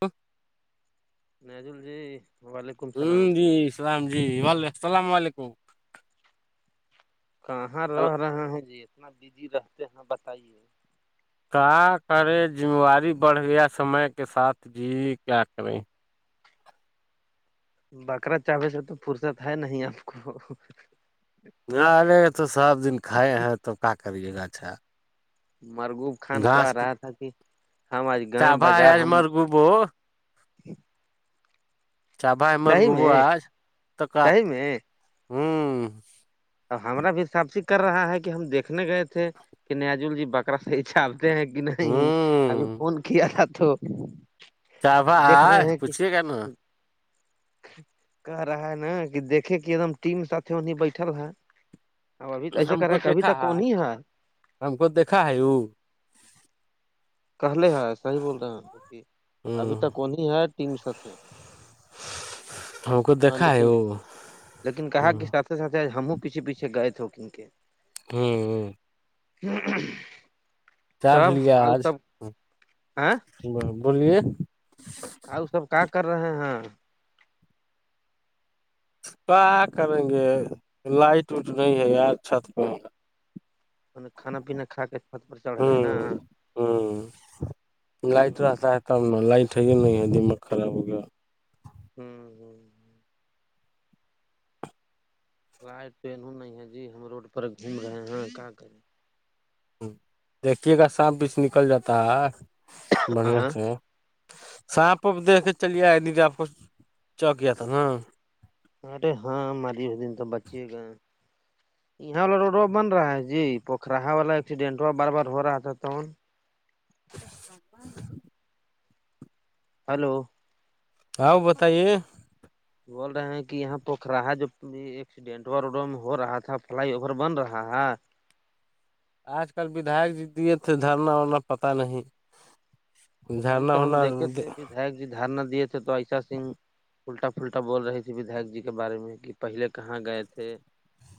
ہ [inaudible] نیجل جی وال [unintelligible] ہ جی السلام جی بو السلام علیکم کہاں رہ رہے ہیں جی اتنا بزی رہتے ہیں بتائیے کیا کرے ذمواری بڑھیا سمے کے ساتھ جی کیا کریں بکرا چاابے سے تو فرصت ہے نہیں آپ کو نہ ارے تو سب دن کھائے ہیں توب کیا کریے گا اچھا مرگوب خان کہہ گھاس رہا تھا کہ ہم آج گا چابا ہے بازار آج ہم [inaudible] چابہ ہے مار صحیح گوب میں آ تو کا صحیح میں ہوں اب ہمارا بھی صافسیی کر رہا ہے کہ ہم دیکنے گئے تھے کہ نیزول جی ب ا سے ہی چاہتے ہیں کہ نہیں ابھی ہوں فون کیا تھا تو دیکھ رہے ہیں کہ [unintelligible] کہہ رہا ہے نا کہ دیکے کہ ایک دم ٹیم سات وہیں بیٹھل ہےا ہم کو دیکھا ہے کون ہی ہم کو دیکھا ہے ا کہلے ہے صحیح بول رہے ہیں ہ ابھی تک وہ نہیں ہے ٹیم س ہیں [inaudible] ہم کو ہاں دیکھا ہے لیکن وہ لیکن کہا کہ ہ سات س ہم پیھے پیچھے گئے تھے ہو کن کے ہوں ہ ہوں ہ آ [unintelligible] آ وہ سب کا کر رہے ہیں کیا کریں گے لائٹ وٹ نہیں ہے یار چھت پہ کھانا پینا کھ کے چھت پر چڑھ گئے نا ہوں ہوں تمنا لائٹ ہے گیا نہیں ہے دم خراب ہو گیا ہوں ہ فلائٹ توینوں نہیں ہے جی ہم روڈ پر گھوم رہے ہیں کیا کریں ہ دیکھیے گا سانپ بیچ نکل جاتا ہے بڑھیا سے ساپ دیکھ کے چلیےیا ن آپ کو چوک گیا تھا نا ارے ہاں ماری اس دن تو بچیے گا یہاں والا روڈ ہوا بن رہا ہے جی پوکھرا والا ایکسیڈینٹ ہو بار بار ہو رہا تھا تون [unintelligible] ہلو ہاں بتائیے بول رہے ہیں کہ یہاں پوکھ رہا جو ا ایکسیڈینٹوا روڈ میں ہو رہا تھا فلائی اوور بن رہا ہے آج کل وداک جی دیے تھے دھرنا وورنا پتا نہیں جھرنا ہونا دائےک جی دارنا دے تھ تو ایشا سن الٹا پلٹا بول رہی تھی بدھک جی کے بارے میں کہ پہلے کہاں گئے تھے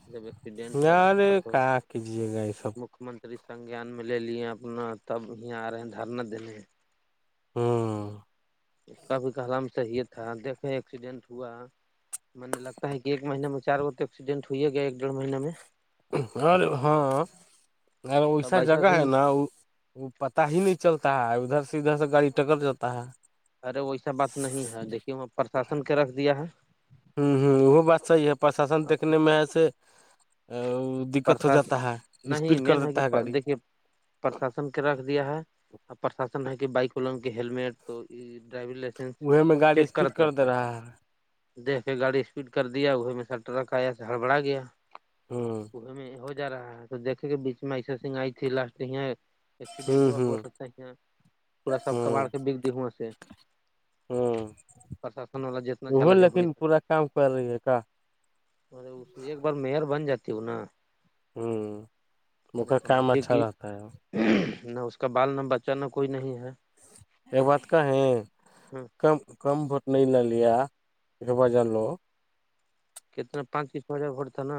[unintelligible] یارے کہاں کیجیے گا یہ سب مک منتری سنجیان میں لے لیے اپنا تب یہ آ رہے ہیں دھرنا دینے ہاں کافی کلام صحیح تھا دیکھے ایکسیڈینٹ ہوا م نے لگتا ہے کہ ایک مہینے میں چار گو تو ایکسیڈنٹ ہوئی ہے گیا ایک ڈیڑھ مہینے میں اوررے ہاں ا ویسا تب ایسا جگہ ہے سنگھ نا وہ پتاہ ہی نہیں چلتا ہے ادھر سے ادھر سے گاڑی ٹکر جاتا ہے ارے ویسا بات نہیں ہے دیکھیے وہ پرشاسن کے رکھ دیا ہے ہوں ہوں وہ بات صحیح ہے پرشاسن دیکنے میں ہے سے ا دقت ہو پرسات جاتا نہیں مین ہے کہ گاڑی دیکھیے پرشاسن کے رکھ دیا ہے اور پرشاسن ہے کہ بائک وال لگ کے ہیللمٹ تو ڈرائیونگ لائ اہ میں گاڑی اسپیڈ کر دے رہا ہے دیکھ کے گاڑی اسپیڈ کر دیا وہی میں سا ٹرک آیا تو ہڑبڑا گیا ہاں ا میں ہو جا رہا ہے تو دیکے کہ بیچ میں ایسا سنگھ آئی تھی لاسٹ یہ ہوں ایکسیڈینٹو ہو ہوں سکتا یہ پورا سب ہوں کباڑ کے بگ دیاں سے ہوں پرشاسن والا جتنا وہ جھالا جھوپڑی لیکن پورا کام کر رہی ہے کا اس ایک بار میئر بن جاتی ہوں نا ہوں میں نے مگر کام سمجھیے اچھا کہ رہتا ہے نہ اس کا بال نہ بچہ نہ کوئی نہیں ہے یہ بات کایں ہ کم کم ووٹ نہیں لے لیا ایک بار جان لو کتنا پانچس پا پڑتا نا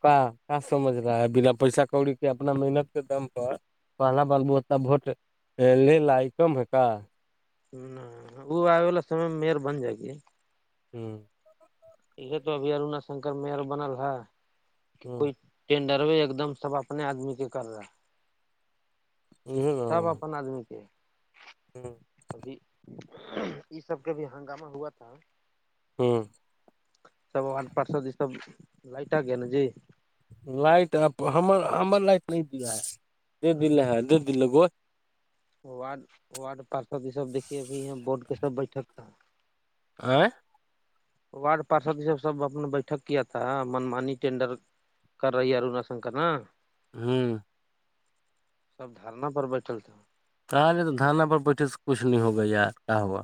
اں کہاں سمجھ رہا ہے بنا پیسہ کڑی کے اپنا محنت کے دم پر پہلا بالبو اتا ووٹ لے لائے کم ہے کا نہ وہ آبے والا سمے میں مئر بن جائے گی ہوں یہ تو ابھی ارنا شنکر مئر بنل ہے کہ ہوں کوئی ٹینڈر ایک دم سب اپنے آدمی کے کر رہا سب اپ آدمی کے ابھی یہ سب کا بھی ہنگامہ ہوا تھا ہوں سب آڈ پارس سب لائٹک ہے نا جی لائٹ ہم ہمر لائٹ نہیں دیا دے دے دے د گوش وارڈ وارڈ پارشد یہ سب دیکھیے ابھی یہ بورڈ کے سب بیٹھک تھا آئ وارڈ پارشد سب سب اپنا بیٹھک کیا تھا منمانی ٹینڈر کر رہی ہے روناا شنکر نا ہاں سب دارناہ پر بیٹھل تھے کہ گے تو دانہ پر بیٹھے سے کچھ نہیں ہوگا یار کہوا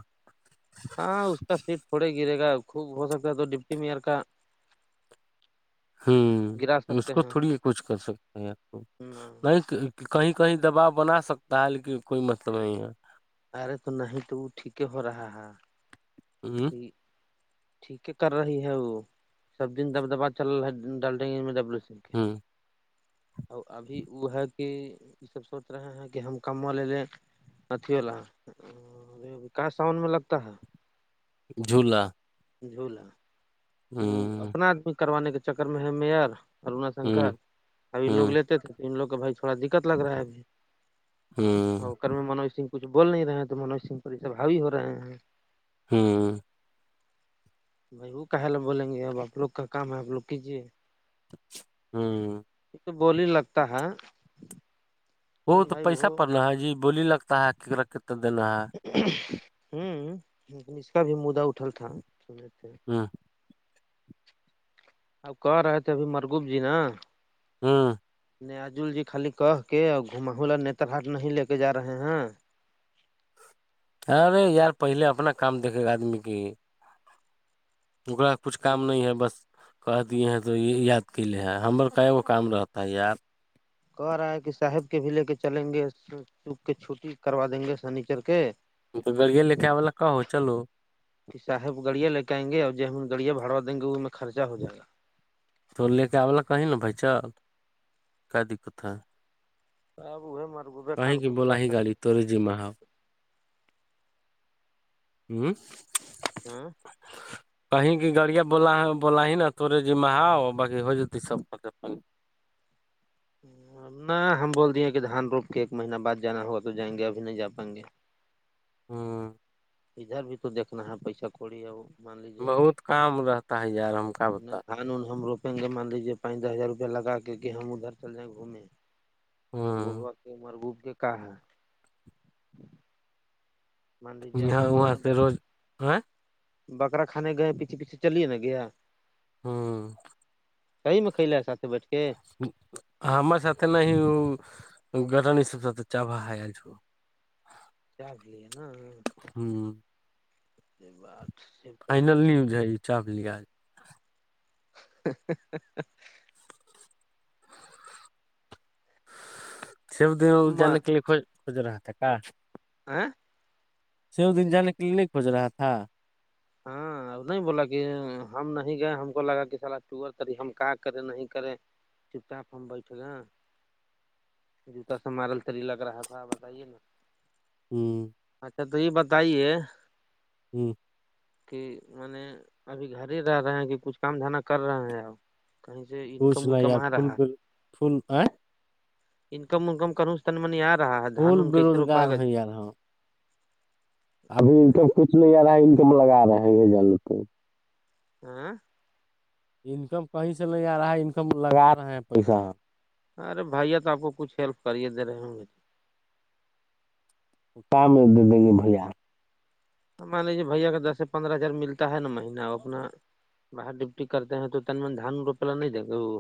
ہاں اس کا سیٹ تھوڑے گرے گا خوب ہو سکتا ہے تو ڈپٹی میئر کا ہوں گرا اس سکتے کو ہیں تھوڑی کچھ کر سکتے ہیں آپ کو نہ لائک کہ کہیں کہیں دباؤ بنا سکتا ہے لیکن کوئی مطلب نہیں ہے ارے تو نہیں تو وہ ٹھیک ہو رہا ہے ہاں [inaudible] ٹھیک ہے کر رہی ہے وہ سب دن دب دبا چل رہا ڈل ڈیں گے ڈبلو س ہ اور ابھی وہ ہے کہ یہ سب سوچ رہے ہیں کہ ہم کما لے لے اھی وال کا ساؤن میں لگتا ہے جھولا جھولا وہ ہ اپنا آدمی کروانے کے چکر میں ہے مئر ارونا ہ شنکر اب ان ہ لوگ لیتے تھے تو ان لوگ کا بھائی تھوڑا دقت لگ رہا ہے ابھی ہوں ر میں منوج سنگھ کھ بول نہیں رہے تو موج سنگ پر سے ہای ہو رہے ہیں ہوں بھائی وہ کال بولیں گے اب آپ لوگ کا کام ہے آپ لوگ کیجیے ہوں تو بول ہی لگتا ہے وہ لیکن تو بھائی پیسہ پڑنا ہے جی بولی لگتا ہے ککنا کتنا دینا ہے ہ اس کا بھی مدا اٹھل تھا سن تھ ہاں اب کہہ رہے تھے ابھی مرگوب جی نا ہاں نیاجل جی خالی کہ کے اور گماہ لا نتر ہاٹ نہیں لے کے جا رہے ہیں ہاںرے یار پہلے اپنا کام دھے کے آدمی کی اکا کچھ کام نہیں ہے بس کہ دیے ہیں تو یہ یاد کی لیے ہے ہمر کا گ کام رہتا ہے یاد کہ رہا ہے کہ صاحب کے بھی لے کے چلیں گے چپ کے چھٹی کروا دیں گے سنیچر کے بڑی لکھا والا کہو چلو کہ صاحب گڑیا لے کے آئ گے اور ج ہمن گڑیا بڑا دیں گے وہ میں خرچہ ہو ج گا تو لے کے آب لا کہیں نا بھ چل کا دقت ہے سب وہ مربوبے کھان کچ پا سک ترجی محا ہوں ہاں کہیں کی گاڑیا بلا بولا ہی نا تورے جمہاؤ باقی ہو جاتی س نہ ہم بول دیے کہ دھان روپ کے ایک مہینہ بعد جانا ہوگا تو جائیں گے ابھی نہیں جا پائیں گے ہاں ادھر بھی تو دیکنا ہے پیسہ کوڑی ہے وہ بہت کام رہتا ہے یار ہم کا بتا قانون ہم روپیں گے مان لیجیے پانچ دس ہزار روپیہ لگا کے کہ ہم ادھر چل جائیں گھومیں مربوبہ کے مرغوب کے کہاں ہے مان لیجیے آپ یہاں لوگ وہاں گئے سے روز ہ بکرا کھانے گئے پیچھے پیچھے چلیے نا گیا ہوں صحی میں کھل ساتھ بیٹھ کے ہمار سات نہ ہی گرانی سب س چا ہے چج لی ہے نا ہوں اس کے بعات فائنل نیوز ہے چاپ لیا ہ [inaudible] سب دن جانے کے لیے کج رہا تھا کا آ [inaudible] س دن جان کے لیے لے کھج رہا تھا ہاں اب نہیں بولا کہ ہم نہیں گئے ہم کو لگا کہ سال ٹور تی ہم کہ کریں نہیں کرے چتاا پ ہم بیٹھے گ ہیں جوتا سا مارل تری لگ رہا تھا بتائیے نا ہوں اچھا تو یہ بتائیے ہوں کہ میں نے ابھی گھر ہی رہ رہے ہیں کہ کچھ کام دھانا کر رہے ہیں آ کہیں سے انکم وکم آ رہا انکم ونکم کروں تن منی آ رہا ہے جھانن ک اس طرو پائے گا ابھی انکب کچھ نہیں آ رہا ہے انکم لگا رہے ہیں ج تو ا [unintelligible] انکم کہیں سے نہیں آ رہا ہے انکم لگا رہے ہیں پیسہ ارے بھیا تو آپ کو کچھ ہیلپ کرے دے رہے ہ مے کا میں دے دیں گے بھیا مان لیجیے بھیا کا دس سے پندرہ ہزار ملتا ہے نا مہینہ وہ اپنا باہر ڈوٹی کرتے ہیں تو ت دھان روپے ل نہیں دیں گے وہ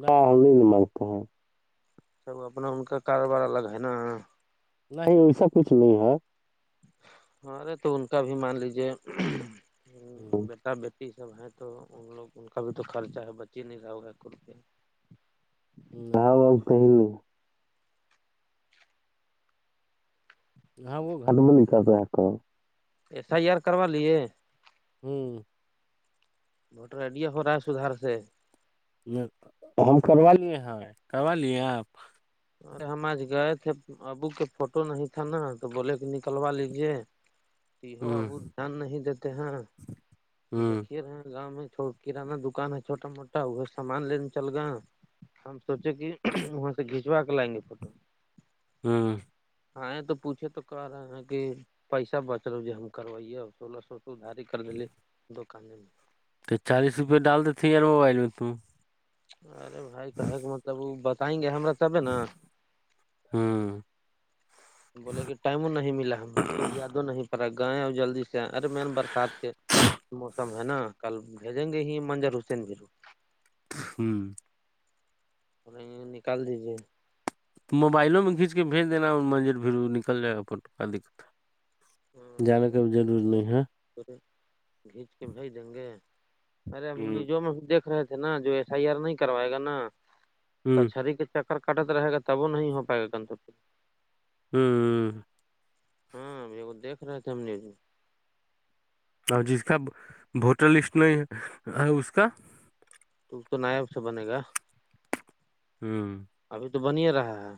نہ نہیں ن مرتا ہے سب اپنا ہ کاا کاروبار الگ ہے نا نہیں ویسا کچھ نہیں ہے ااںرے تو ان کا بھی مان لیجیے بیٹا بی سب ہیں تو ان لوگ ان کا بھی تو خرچہ ہے بچی نہیں رہا ہوا کرتے ہاں ب کہ ہی نہیں ہ وہ گھر میں نک ہے کر ایف آئی آر کروا لیے ہوں بوٹر ا خد ہے سدار سے ہم کروا لییے ہیں کروا لییے آپ ارے ہم آج گئے تھے ابو کے فوٹو نہیں تھا نا تو بولے کے نکلوا لیجے تو ہوں ابو دھیان نہیں دیتے ہیں ہوں دیکے رہے گاؤں میں چوٹ کانہ دکان ہے چھوٹا موٹا وہ سامان لینے چل گیا ہم سوچے کہ وہاں سے کھینچوا کے لائیں گے فوٹو ہاں ہاں یہ تو پوچھے تو کہ رہے ہیں کہ پیسہ بچ لو ج ہم کروائیے سولہ سو سدھاری کر دے دکان میں تو چالیس روپئے ڈال دیتےے یار موبائل میں تو ارے بھائی کہے کے مطلب وہ بتائیں گے ہمرا تبے نا ہاں بولے کہ ٹائموں نہیں ملا ہما یادوں نہیں پڑا گائے ا جلدی سے ارے من برسات کے موسم ہے نا کل بھیجیں گے ہی منظر حسین بھییرو ہ تو نہیں نکال دیجے موبائلو میں کھیچ کے بھیج دینا منزر بھیھر نکل جائے گا فوٹو کا دقت جانا کا رور ب تھے کھیچ کے بھیج دیں گے ارے ہم ہ نیجوں میں دیکھ رہے تھے نا جو ایس آئی آر نہیں کروائے گا نا ہ کچہری کا چک ر کٹت رہے گا تب وہ نہیں ہو پائے گا گنندو ہوں ہاں ایک رہے تھے ہم نیوز میں اور جس کا ووٹر لسٹ نہیں ہے اس کا تو اس تو نیاب سے بنے گا ہاں ابھی تو بنیا رہا ہے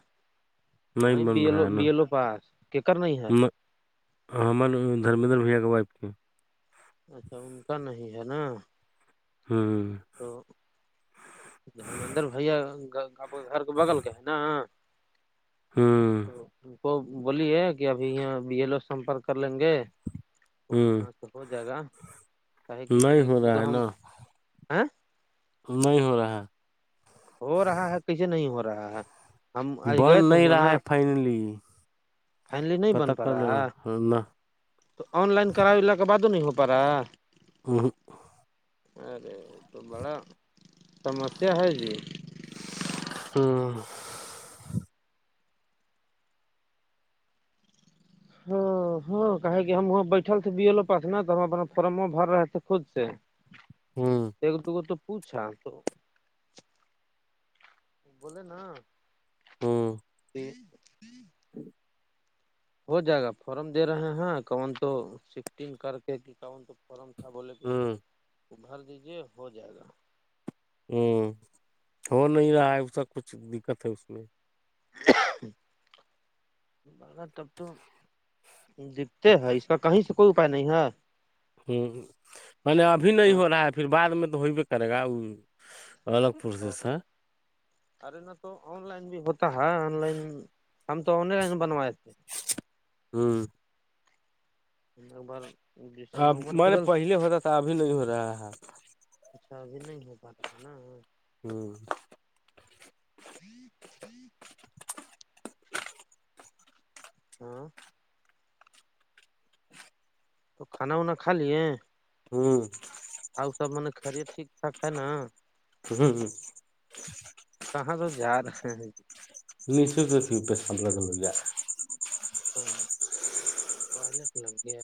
وہیں نہیں بن بیل رہا او ہے بی ایل او پاس کیکر نہیں ہے ر دھرمدر بھیا کے وائف کے اچھا ان کا نہیں ہے نا ہاں تو دھرمدر بھیا آپ گھر کے بغل کے ہے نا ہوں تو ت کو بولی ہے کہ ابھی یہ بی ایل او سمپرک کر لیں گے تو ہوں وہاں تو ہو جائے گا نہیں ہو رہا ہے نا آاں نہیں ہو رہا ہے ہو رہا ہے کسیے نہیں ہو رہا ہے ہم ہے آج گئے بن تھے نہیں ہ رہا نا ہے فائنلی فائائنلی نہیں بن پتہ پ کر رہا ہے لینا نہ تو آن لائن کرال کے بد نہیں ہو پا رہا ہے ہ ارے تو بڑا سمسیا ہے جی ہوں ہاں ہاں کہ کہ ہم بیٹھل تھے بی ایلو پاس ن تو ہم اپنا فم بھر رہے تھے خود سے [inaudible] ہاں تو تو پوچھا تو بولے نا ہاں ہ [unintelligible] ہاں [inaudible] ہو جائے گا فارم دے رہے ہیں کون تو سٹین کر کے کہ کون تو فم تھا بولے کے اپر ہوں ابھر دیجیے ہو جائے گا ہوں ہو نہیں رہا ہے اسسا کچھ دقت ہے اس میں [inaudible] تب تو دکھتے ہے اس کا کہیں سے کوئی اپپائے نہیں ہے ہ میں ابھی نہیں ہاں ہو رہا ہے پھر بعد میں تو ہوئی بھی کرے گا الگ سوردش [inaudible] ارے نہ تو آن لائن بھی ہوتا ہے آن لائن ہم تو آن لائن بنوائے تھے ہاں اق بار [unintelligible] سمے اب عمر میں نے پورل پہلے ہوتا تھا ابھی نہیں ہو رہا ہے اچھا ا بھی نہیں ہو پاتا ہے نا ہوں [unintelligible] ہی ہی [inaudible] ہاں تو کھانا وانا کھا لیے ہوں آ سب م خری ٹھیک ٹھاک ہے نا ہ کہاں تو جا رہے ہیں مش ا پیساب لگل گ [unintelligible] ہاں پلے ف لن گی [inaudible]